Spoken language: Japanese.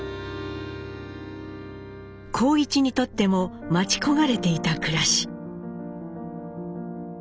幸一にとっても待ち焦がれていた暮らし。